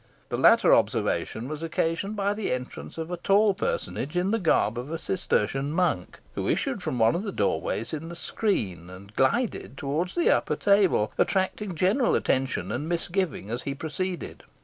The latter observation was occasioned by the entrance of a tall personage, in the garb of a Cistertian monk, who issued from one of the doorways in the screen, and glided towards the upper table, attracting general attention and misgiving as he proceeded.